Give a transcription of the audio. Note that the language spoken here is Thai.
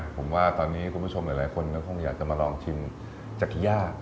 ผมว่าตอนนี้คุณผู้ชมหลายคนก็คงอยากจะมาลองชิมจักย่า